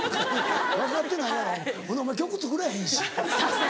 分かってないやろほんでお前曲作れへんし。